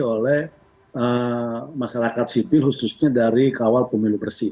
oleh masyarakat sipil khususnya dari kawal pemilu bersih